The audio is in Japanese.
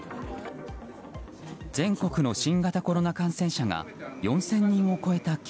全国の新型コロナ感染者が４０００人を超えた